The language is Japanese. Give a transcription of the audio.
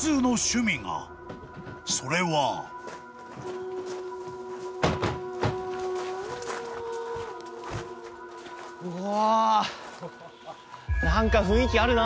［それは］うわ。